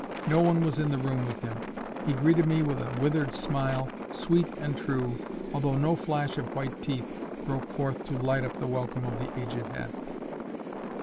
No one was in the room with him. He greeted me with a withered smile, sweet and true, although no flash of white teeth broke forth to light up the welcome of the aged head.